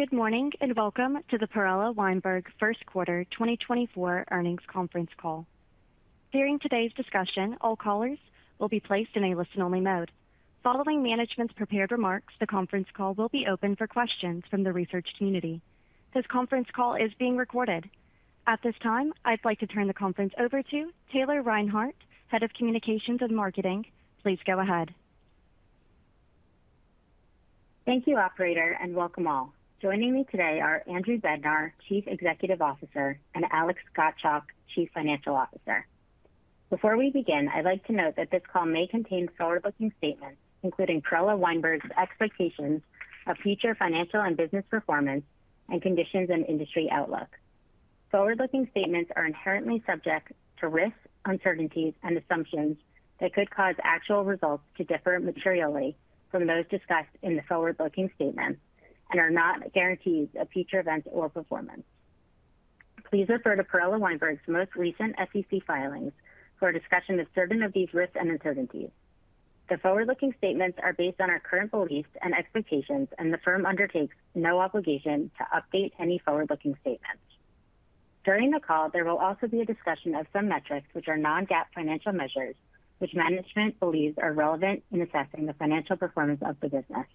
Good morning and welcome to the Perella Weinberg First Quarter 2024 Earnings Conference Call. During today's discussion, all callers will be placed in a listen-only mode. Following management's prepared remarks, the conference call will be open for questions from the research community. This conference call is being recorded. At this time, I'd like to turn the conference over to Taylor Reinhardt, Head of Communications and Marketing. Please go ahead. Thank you, operator, and welcome all. Joining me today are Andrew Bednar, Chief Executive Officer, and Alex Gottschalk, Chief Financial Officer. Before we begin, I'd like to note that this call may contain forward-looking statements, including Perella Weinberg's expectations of future financial and business performance and conditions and industry outlook. Forward-looking statements are inherently subject to risks, uncertainties, and assumptions that could cause actual results to differ materially from those discussed in the forward-looking statements and are not guarantees of future events or performance. Please refer to Perella Weinberg's most recent SEC filings for a discussion of certain of these risks and uncertainties. The forward-looking statements are based on our current beliefs and expectations, and the firm undertakes no obligation to update any forward-looking statements. During the call, there will also be a discussion of some metrics, which are non-GAAP financial measures, which management believes are relevant in assessing the financial performance of the business.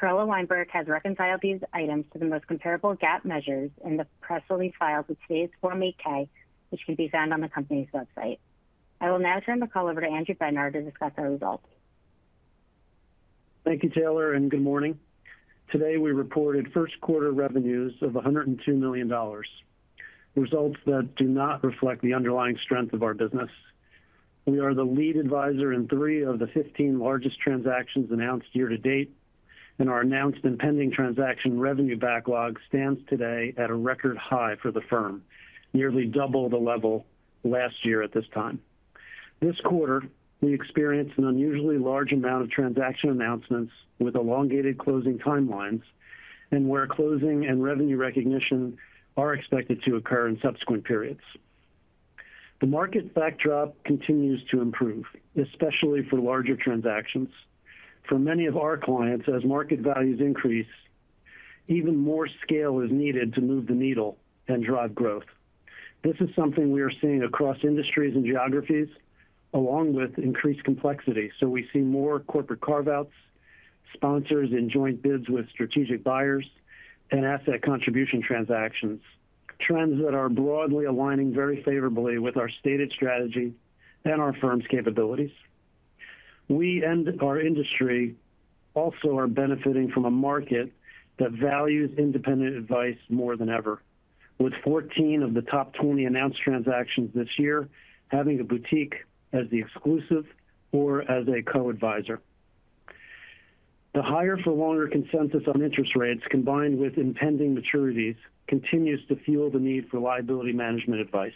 Perella Weinberg has reconciled these items to the most comparable GAAP measures in the press release filed with today's Form 8K, which can be found on the company's website. I will now turn the call over to Andrew Bednar to discuss our results. Thank you, Taylor, and good morning. Today we reported first quarter revenues of $102 million, results that do not reflect the underlying strength of our business. We are the lead advisor in three of the 15 largest transactions announced year to date, and our announced and pending transaction revenue backlog stands today at a record high for the firm, nearly double the level last year at this time. This quarter, we experienced an unusually large amount of transaction announcements with elongated closing timelines and where closing and revenue recognition are expected to occur in subsequent periods. The market backdrop continues to improve, especially for larger transactions. For many of our clients, as market values increase, even more scale is needed to move the needle and drive growth. This is something we are seeing across industries and geographies, along with increased complexity. So we see more corporate carve-outs, sponsors in joint bids with strategic buyers, and asset contribution transactions, trends that are broadly aligning very favorably with our stated strategy and our firm's capabilities. We and our industry also are benefiting from a market that values independent advice more than ever, with 14 of the top 20 announced transactions this year having a boutique as the exclusive or as a co-advisor. The higher-for-longer consensus on interest rates combined with impending maturities continues to fuel the need for liability management advice,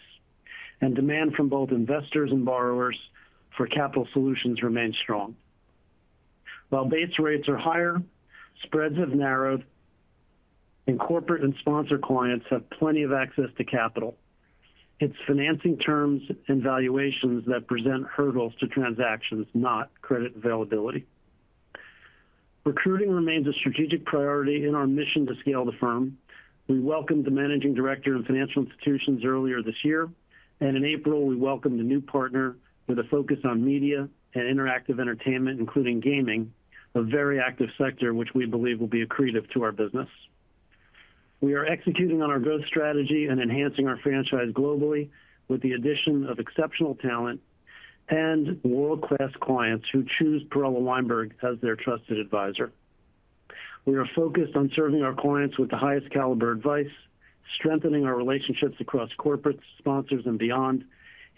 and demand from both investors and borrowers for capital solutions remains strong. While base rates are higher, spreads have narrowed, and corporate and sponsor clients have plenty of access to capital. It's financing terms and valuations that present hurdles to transactions, not credit availability. Recruiting remains a strategic priority in our mission to scale the firm. We welcomed the Managing Director of Financial Institutions earlier this year, and in April, we welcomed a new partner with a focus on media and interactive entertainment, including gaming, a very active sector which we believe will be accretive to our business. We are executing on our growth strategy and enhancing our franchise globally with the addition of exceptional talent and world-class clients who choose Perella Weinberg as their trusted advisor. We are focused on serving our clients with the highest caliber advice, strengthening our relationships across corporates, sponsors, and beyond,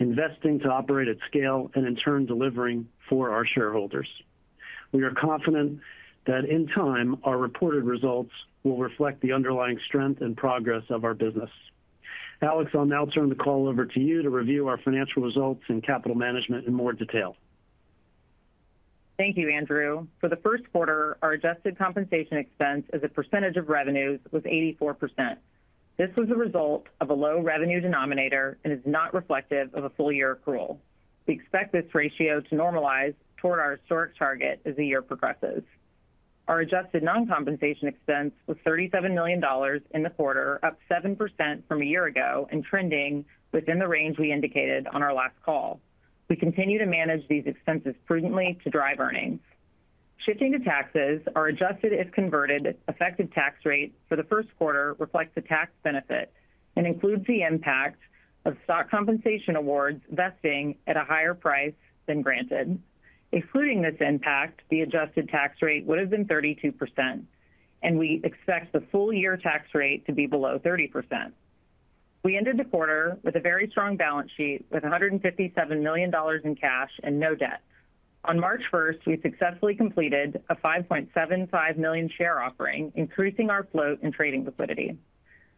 investing to operate at scale, and in turn, delivering for our shareholders. We are confident that in time, our reported results will reflect the underlying strength and progress of our business. Alex, I'll now turn the call over to you to review our financial results and capital management in more detail. Thank you, Andrew. For the first quarter, our adjusted compensation expense as a percentage of revenues was 84%. This was the result of a low revenue denominator and is not reflective of a full-year accrual. We expect this ratio to normalize toward our historic target as the year progresses. Our adjusted non-compensation expense was $37 million in the quarter, up 7% from a year ago, and trending within the range we indicated on our last call. We continue to manage these expenses prudently to drive earnings. Shifting to taxes, our adjusted if converted effective tax rate for the first quarter reflects a tax benefit and includes the impact of stock compensation awards vesting at a higher price than granted. Excluding this impact, the adjusted tax rate would have been 32%, and we expect the full-year tax rate to be below 30%. We ended the quarter with a very strong balance sheet with $157 million in cash and no debt. On March 1st, we successfully completed a $5.75 million share offering, increasing our float and trading liquidity.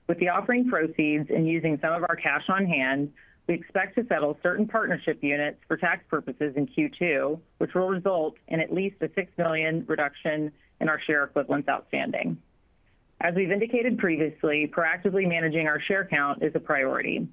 With the offering proceeds and using some of our cash on hand, we expect to settle certain partnership units for tax purposes in Q2, which will result in at least a $6 million reduction in our share equivalents outstanding. As we've indicated previously, proactively managing our share count is a priority.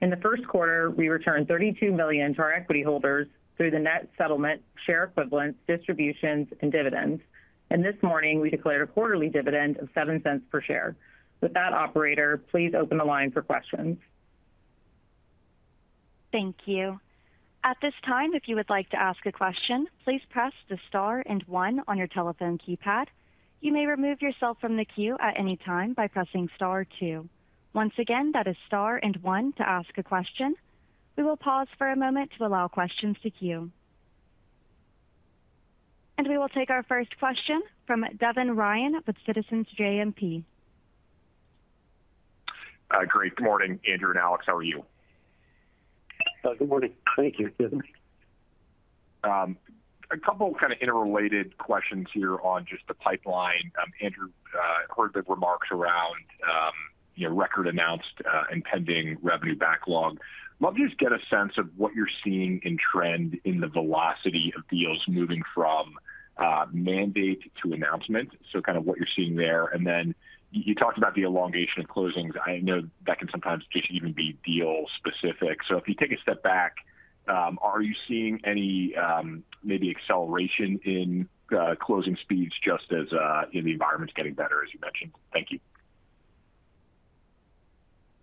In the first quarter, we returned $32 million to our equity holders through the net settlement, share equivalents, distributions, and dividends. This morning, we declared a quarterly dividend of $0.07 per share. With that, operator, please open the line for questions. Thank you. At this time, if you would like to ask a question, please press the star and one on your telephone keypad. You may remove yourself from the queue at any time by pressing star two. Once again, that is star and one to ask a question. We will pause for a moment to allow questions to queue. We will take our first question from Devin Ryan with Citizens JMP. Great. Good morning, Andrew and Alex. How are you? Good morning. Thank you, Devin. A couple of kind of interrelated questions here on just the pipeline. Andrew heard the remarks around record announced and pending revenue backlog. I'd love to just get a sense of what you're seeing in trend in the velocity of deals moving from mandate to announcement, so kind of what you're seeing there. And then you talked about the elongation of closings. I know that can sometimes just even be deal-specific. So if you take a step back, are you seeing any maybe acceleration in closing speeds just as the environment's getting better, as you mentioned? Thank you.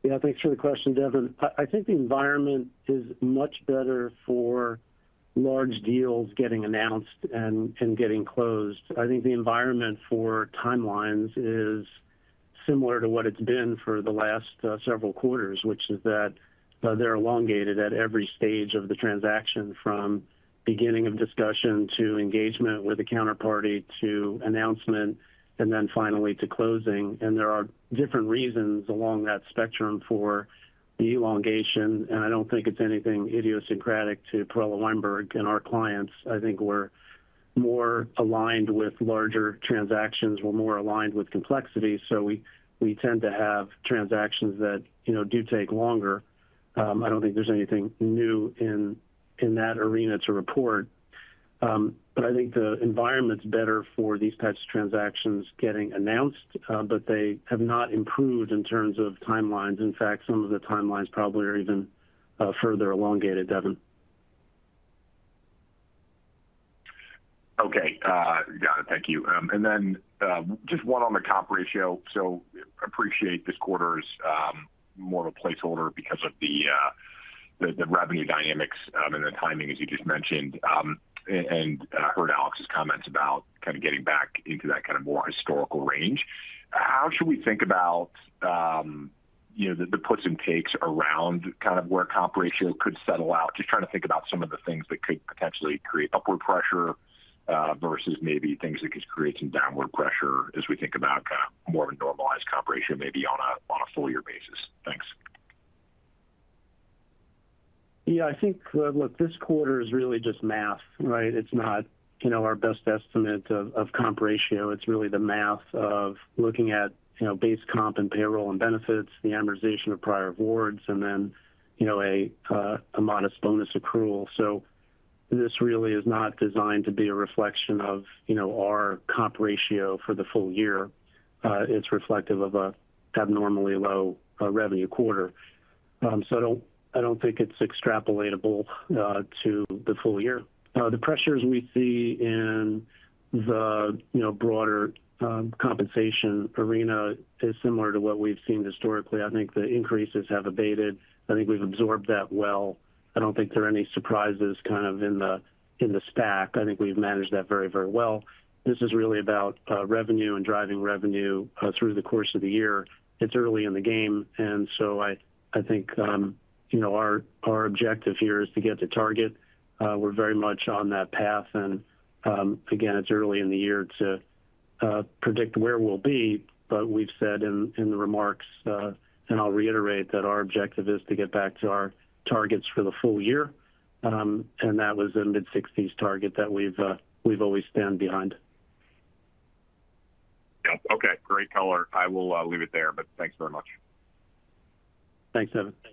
Yeah, thanks for the question, Devin. I think the environment is much better for large deals getting announced and getting closed. I think the environment for timelines is similar to what it's been for the last several quarters, which is that they're elongated at every stage of the transaction, from beginning of discussion to engagement with a counterparty to announcement and then finally to closing. And there are different reasons along that spectrum for the elongation, and I don't think it's anything idiosyncratic to Perella Weinberg and our clients. I think we're more aligned with larger transactions. We're more aligned with complexity. So we tend to have transactions that do take longer. I don't think there's anything new in that arena to report. But I think the environment's better for these types of transactions getting announced, but they have not improved in terms of timelines. In fact, some of the timelines probably are even further elongated, Devin. Okay. Got it. Thank you. And then just one on the comp ratio. So I appreciate this quarter's more of a placeholder because of the revenue dynamics and the timing, as you just mentioned, and heard Alex's comments about kind of getting back into that kind of more historical range. How should we think about the puts and takes around kind of where comp ratio could settle out? Just trying to think about some of the things that could potentially create upward pressure versus maybe things that could create some downward pressure as we think about kind of more a normalized comp ratio maybe on a full-year basis. Thanks. Yeah, I think, look, this quarter is really just math, right? It's not our best estimate of comp ratio. It's really the math of looking at base comp and payroll and benefits, the amortization of prior awards, and then a modest bonus accrual. So this really is not designed to be a reflection of our comp ratio for the full year. It's reflective of an abnormally low revenue quarter. So I don't think it's extrapolatable to the full year. The pressures we see in the broader compensation arena are similar to what we've seen historically. I think the increases have abated. I think we've absorbed that well. I don't think there are any surprises kind of in the stack. I think we've managed that very, very well. This is really about revenue and driving revenue through the course of the year. It's early in the game. I think our objective here is to get to target. We're very much on that path. Again, it's early in the year to predict where we'll be. But we've said in the remarks, and I'll reiterate, that our objective is to get back to our targets for the full year. That was the mid-60s target that we've always stand behind. Yep. Okay. Great color. I will leave it there, but thanks very much. Thanks, Devin. Thank you.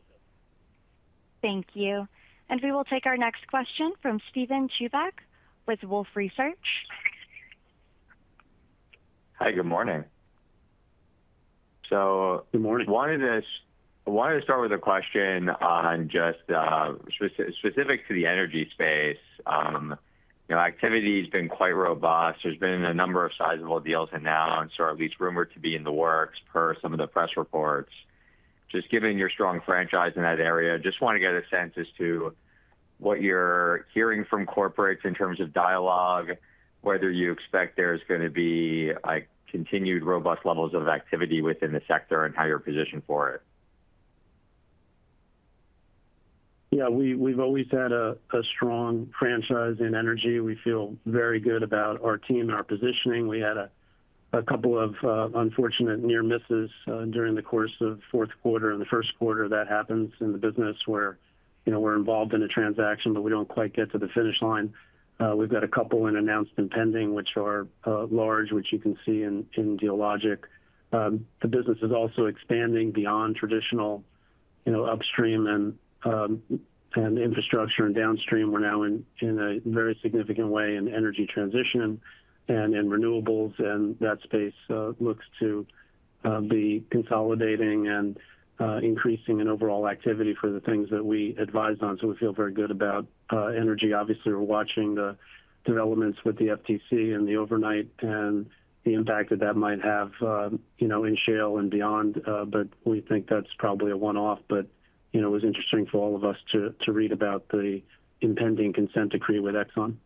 We will take our next question from Steven Chubak with Wolfe Research. Hi. Good morning. So I wanted to start with a question specific to the energy space. Activity's been quite robust. There's been a number of sizable deals announced or at least rumored to be in the works per some of the press reports. Just given your strong franchise in that area, just want to get a sense as to what you're hearing from corporates in terms of dialogue, whether you expect there's going to be continued robust levels of activity within the sector and how you're positioned for it. Yeah, we've always had a strong franchise in energy. We feel very good about our team and our positioning. We had a couple of unfortunate near misses during the course of fourth quarter. In the first quarter, that happens in the business where we're involved in a transaction, but we don't quite get to the finish line. We've got a couple and announced and pending, which are large, which you can see in Dealogic. The business is also expanding beyond traditional upstream and infrastructure and downstream. We're now in a very significant way in energy transition and in renewables, and that space looks to be consolidating and increasing in overall activity for the things that we advised on. So we feel very good about energy. Obviously, we're watching the developments with the FTC and the ExxonMobil and the impact that that might have in shale and beyond. But we think that's probably a one-off. But it was interesting for all of us to read about the impending consent decree with Exxon.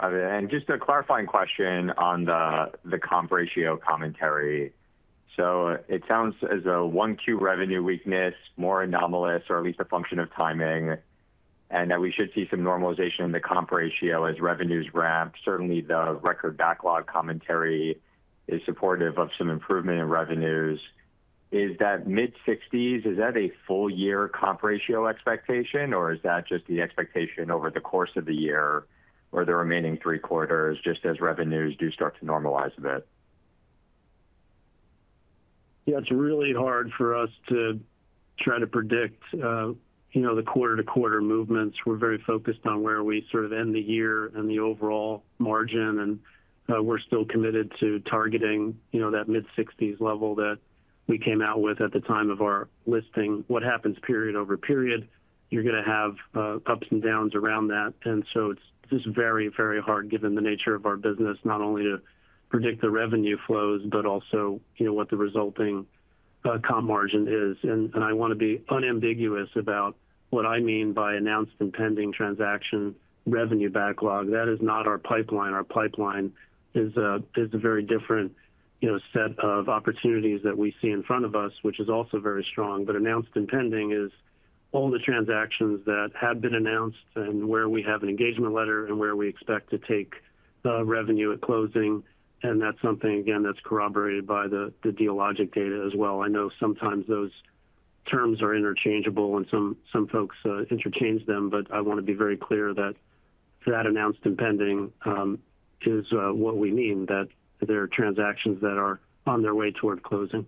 Got it. And just a clarifying question on the comp ratio commentary. So it sounds as though 1Q revenue weakness, more anomalous or at least a function of timing, and that we should see some normalization in the comp ratio as revenues ramp. Certainly, the record backlog commentary is supportive of some improvement in revenues. Is that mid-60s? Is that a full-year comp ratio expectation, or is that just the expectation over the course of the year or the remaining three quarters just as revenues do start to normalize a bit? Yeah, it's really hard for us to try to predict the quarter-to-quarter movements. We're very focused on where we sort of end the year and the overall margin. And we're still committed to targeting that mid-60s level that we came out with at the time of our listing. What happens period-over-period? You're going to have ups and downs around that. And so it's just very, very hard given the nature of our business, not only to predict the revenue flows but also what the resulting comp margin is. And I want to be unambiguous about what I mean by announced and pending transaction revenue backlog. That is not our pipeline. Our pipeline is a very different set of opportunities that we see in front of us, which is also very strong. But announced and pending is all the transactions that have been announced and where we have an engagement letter and where we expect to take revenue at closing. And that's something, again, that's corroborated by the Dealogic data as well. I know sometimes those terms are interchangeable, and some folks interchange them. But I want to be very clear that that announced and pending is what we mean, that there are transactions that are on their way toward closing.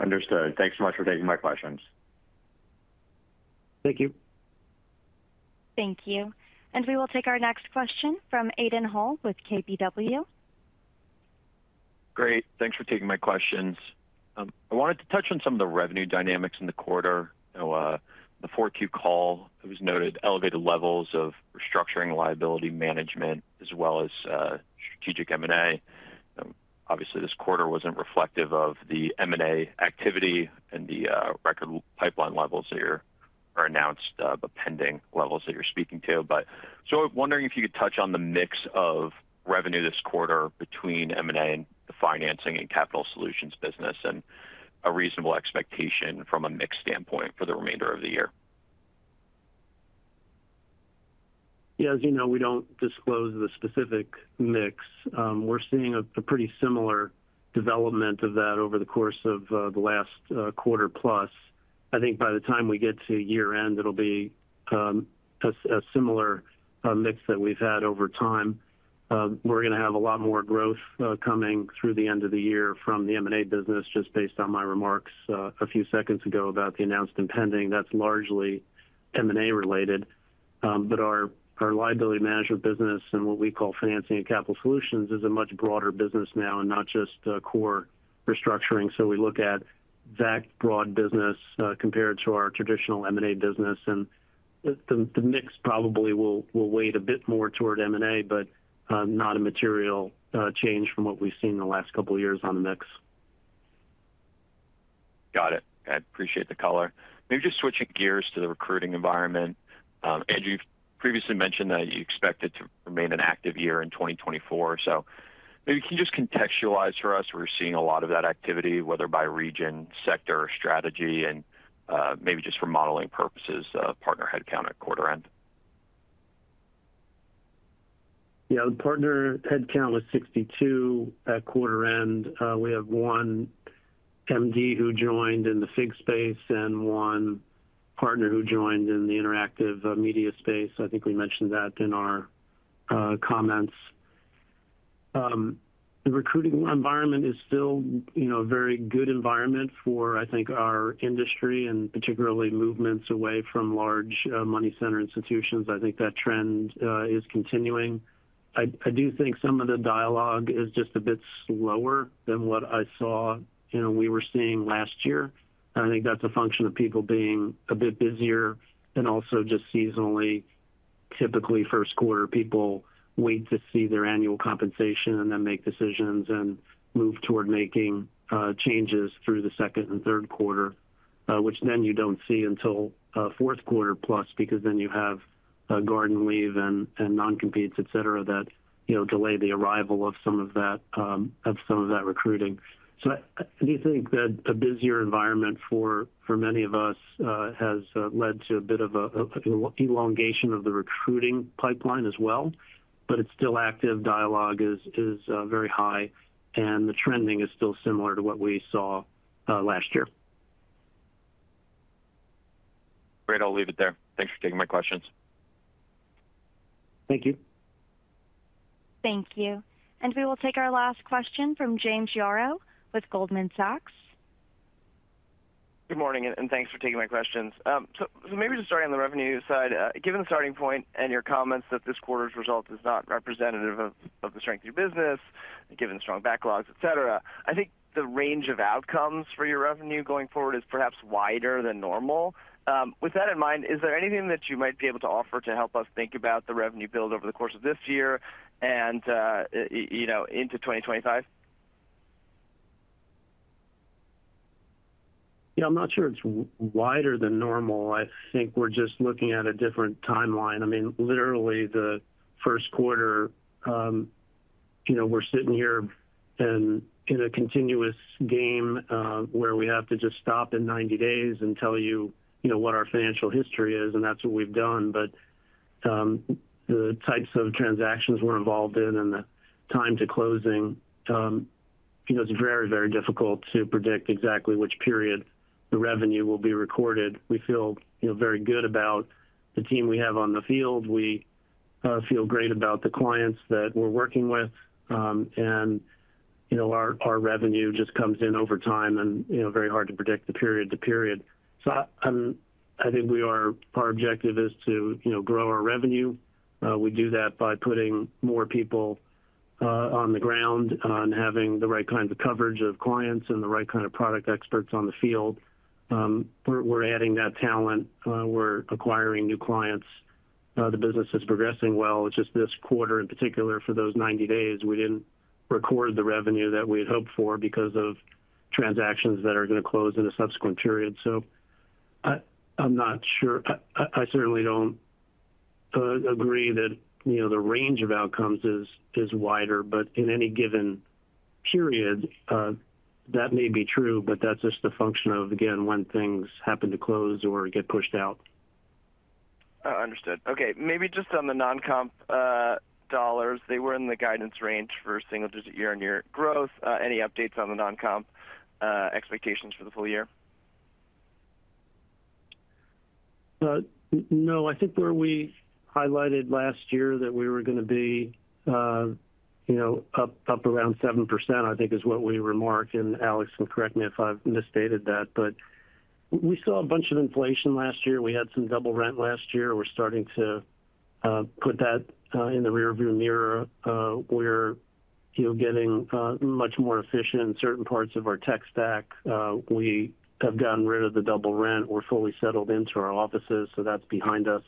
Understood. Thanks so much for taking my questions. Thank you. Thank you. We will take our next question from Aidan Hall with KBW. Great. Thanks for taking my questions. I wanted to touch on some of the revenue dynamics in the quarter. The 4Q call, it was noted elevated levels of restructuring liability management as well as strategic M&A. Obviously, this quarter wasn't reflective of the M&A activity and the record pipeline levels that are announced but pending levels that you're speaking to. So wondering if you could touch on the mix of revenue this quarter between M&A and the financing and capital solutions business and a reasonable expectation from a mix standpoint for the remainder of the year. Yeah, as you know, we don't disclose the specific mix. We're seeing a pretty similar development of that over the course of the last quarter-plus. I think by the time we get to year-end, it'll be a similar mix that we've had over time. We're going to have a lot more growth coming through the end of the year from the M&A business, just based on my remarks a few seconds ago about the announced and pending. That's largely M&A-related. But our liability management business and what we call financing and capital solutions is a much broader business now and not just core restructuring. So we look at that broad business compared to our traditional M&A business. And the mix probably will weigh a bit more toward M&A but not a material change from what we've seen the last couple of years on the mix. Got it. I appreciate the color. Maybe just switching gears to the recruiting environment. Andrew, you've previously mentioned that you expect it to remain an active year in 2024. So maybe can you just contextualize for us where you're seeing a lot of that activity, whether by region, sector, strategy, and maybe just for modeling purposes, partner headcount at quarter-end? Yeah, the partner headcount was 62 at quarter-end. We have one MD who joined in the FIG space and one partner who joined in the interactive media space. I think we mentioned that in our comments. The recruiting environment is still a very good environment for, I think, our industry and particularly movements away from large money center institutions. I think that trend is continuing. I do think some of the dialogue is just a bit slower than what I saw we were seeing last year. And I think that's a function of people being a bit busier and also just seasonally. Typically, first quarter, people wait to see their annual compensation and then make decisions and move toward making changes through the second and third quarter, which then you don't see until fourth quarter-plus because then you have garden leave and non-competes, etc., that delay the arrival of some of that recruiting. So I do think that a busier environment for many of us has led to a bit of an elongation of the recruiting pipeline as well. But it's still active. Dialogue is very high. And the trending is still similar to what we saw last year. Great. I'll leave it there. Thanks for taking my questions. Thank you. Thank you. We will take our last question from James Yarrow with Goldman Sachs. Good morning, and thanks for taking my questions. So maybe just starting on the revenue side, given the starting point and your comments that this quarter's result is not representative of the strength of your business, given strong backlogs, etc., I think the range of outcomes for your revenue going forward is perhaps wider than normal. With that in mind, is there anything that you might be able to offer to help us think about the revenue build over the course of this year and into 2025? Yeah, I'm not sure it's wider than normal. I think we're just looking at a different timeline. I mean, literally, the first quarter, we're sitting here in a continuous game where we have to just stop in 90 days and tell you what our financial history is. And that's what we've done. But the types of transactions we're involved in and the time to closing, it's very, very difficult to predict exactly which period the revenue will be recorded. We feel very good about the team we have on the field. We feel great about the clients that we're working with. And our revenue just comes in over time, and very hard to predict the period-to-period. So I think our objective is to grow our revenue. We do that by putting more people on the ground and having the right kinds of coverage of clients and the right kind of product experts on the field. We're adding that talent. We're acquiring new clients. The business is progressing well. It's just this quarter in particular, for those 90 days, we didn't record the revenue that we had hoped for because of transactions that are going to close in a subsequent period. So I'm not sure. I certainly don't agree that the range of outcomes is wider. But in any given period, that may be true. But that's just a function of, again, when things happen to close or get pushed out. Understood. Okay. Maybe just on the non-comp dollars, they were in the guidance range for single-digit year-on-year growth. Any updates on the non-comp expectations for the full year? No, I think where we highlighted last year that we were going to be up around 7%, I think, is what we remarked. And Alex, can correct me if I've misstated that. But we saw a bunch of inflation last year. We had some double rent last year. We're starting to put that in the rearview mirror. We're getting much more efficient in certain parts of our tech stack. We have gotten rid of the double rent. We're fully settled into our offices, so that's behind us.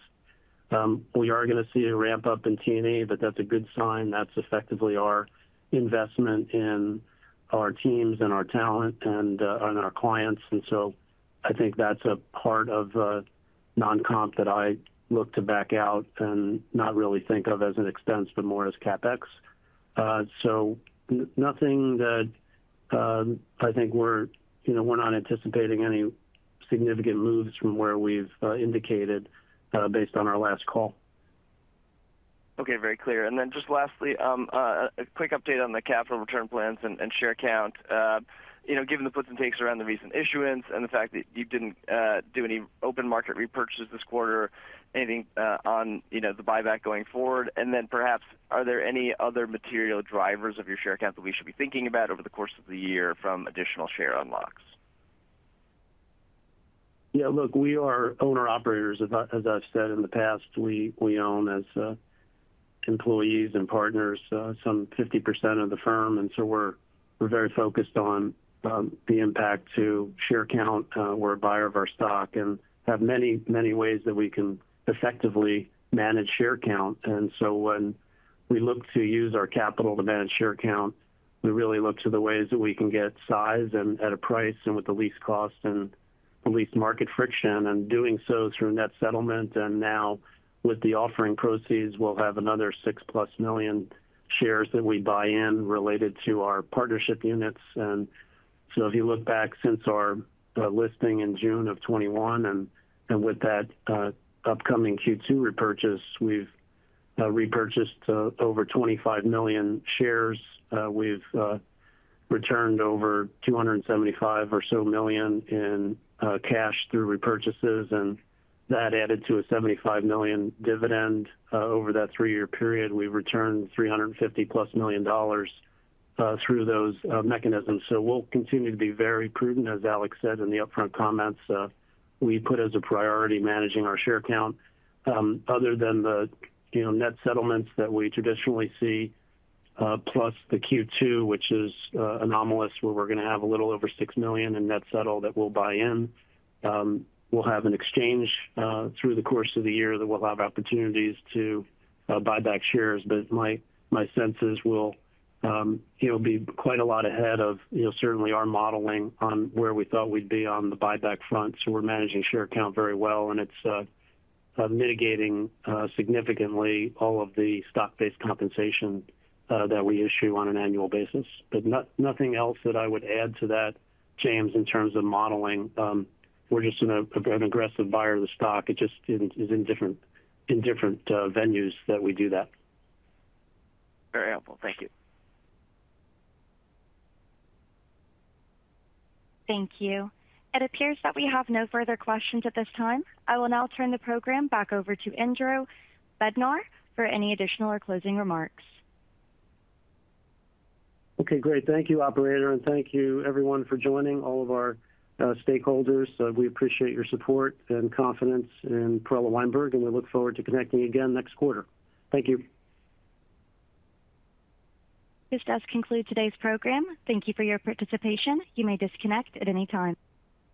We are going to see a ramp-up in T&E, but that's a good sign. That's effectively our investment in our teams and our talent and our clients. And so I think that's a part of non-comp that I look to back out and not really think of as an expense but more as CapEx. Nothing that I think we're not anticipating any significant moves from where we've indicated based on our last call. Okay, very clear. And then just lastly, a quick update on the capital return plans and share count. Given the puts and takes around the recent issuance and the fact that you didn't do any open market repurchases this quarter, anything on the buyback going forward, and then perhaps, are there any other material drivers of your share count that we should be thinking about over the course of the year from additional share unlocks? Yeah, look, we are owner-operators. As I've said in the past, we own as employees and partners some 50% of the firm. And so we're very focused on the impact to share count. We're a buyer of our stock and have many, many ways that we can effectively manage share count. And so when we look to use our capital to manage share count, we really look to the ways that we can get size at a price and with the least cost and the least market friction. And doing so through net settlement. And now with the offering proceeds, we'll have another 6+ million shares that we buy in related to our partnership units. And so if you look back since our listing in June of 2021 and with that upcoming Q2 repurchase, we've repurchased over 25 million shares. We've returned over $275 million or so in cash through repurchases. That added to a $75 million dividend over that 3-year period. We've returned $350+ million through those mechanisms. So we'll continue to be very prudent. As Alex said in the upfront comments, we put as a priority managing our share count. Other than the net settlements that we traditionally see plus the Q2, which is anomalous where we're going to have a little over 6 million in net settle that we'll buy in, we'll have an exchange through the course of the year that we'll have opportunities to buy back shares. But my sense is we'll be quite a lot ahead of certainly our modeling on where we thought we'd be on the buyback front. So we're managing share count very well. And it's mitigating significantly all of the stock-based compensation that we issue on an annual basis. Nothing else that I would add to that, James, in terms of modeling. We're just an aggressive buyer of the stock. It just is in different venues that we do that. Very helpful. Thank you. Thank you. It appears that we have no further questions at this time. I will now turn the program back over to Andrew Bednar for any additional or closing remarks. Okay, great. Thank you, operator. Thank you, everyone, for joining, all of our stakeholders. We appreciate your support and confidence in Perella Weinberg. We look forward to connecting again next quarter. Thank you. This does conclude today's program. Thank you for your participation. You may disconnect at any time.